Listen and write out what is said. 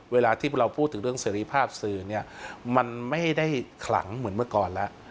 เวลาที่เราพูดถึงเรื่องเสรีภาพสื่อเนี่ยมันไม่ได้ขลังเหมือนเมื่อก่อนแล้ว